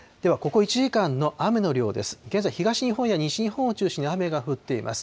ではここ１時間の雨の量です。